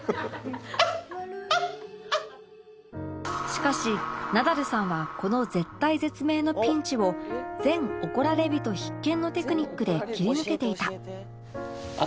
しかしナダルさんはこの絶体絶命のピンチを全怒られびと必見のテクニックで切り抜けていた